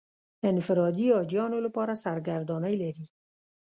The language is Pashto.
انفرادي حاجیانو لپاره سرګردانۍ لري.